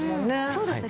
そうですね。